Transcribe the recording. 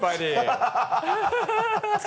ハハハ